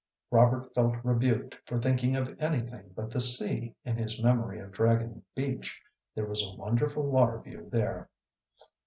Robert felt rebuked for thinking of anything but the sea in his memory of Dragon Beach; there was a wonderful water view there.